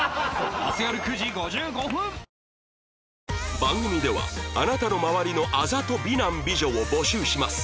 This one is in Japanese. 番組ではあなたの周りのあざと美男美女を募集します